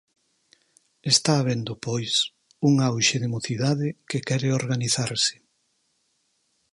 Está habendo, pois, un auxe de mocidade que quere organizarse.